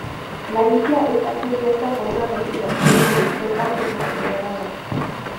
La isla está cubierta por una vegetación de estepas recuperadas.